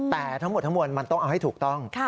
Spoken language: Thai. แต่ทั้งหมดมันต้องเอาให้ถูกต้อง